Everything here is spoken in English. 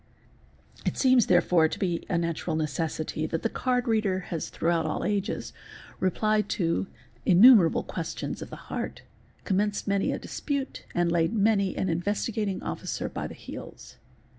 It seems therefore to be a natural necessity that the card: FORTUNE TELLING 397 reader has throughout all ages replied to innumerable questions of the heart, commenced many a dispute, and laid many an Investigating Officer by the heels.